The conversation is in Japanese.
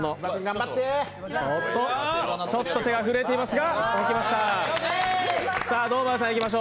ちょっと手が震えていますが置きました。